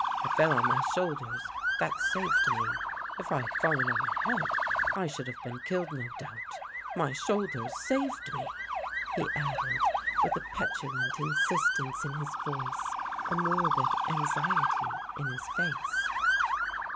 " I fell on my shoulders — that saved me. If I had fallen on my head, I should have been killed no doubt. My shoulders saved me! " he added, with a petulant insistence in his voice, a mor bid anxiety in his face.